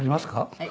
「はい。